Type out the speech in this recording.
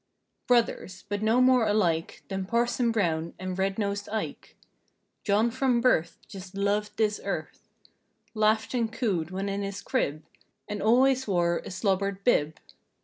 Brothers, but no more alike Than Parson Brown and "Red Nozed" Ike. John from birth Just loved this earth: Laughed and cooed when in his crib, And always wore a slobbered bib.